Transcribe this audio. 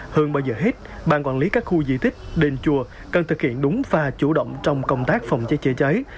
hơn bao giờ hết bàn quản lý các khu di tích đền chùa cần thực hiện đúng và chủ động trong công tác phòng cháy chảy cháy